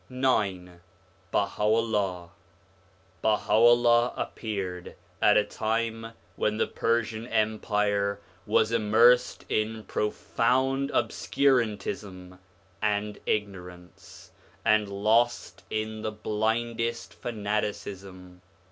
IX BAHA f U'LLAH BAHA'u'LLAH 1 appeared at a time when the Persian Empire was immersed in profound obscurantism and ignorance, and lost in the blindest fanaticism.